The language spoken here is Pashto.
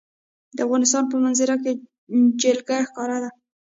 د افغانستان په منظره کې جلګه ښکاره ده.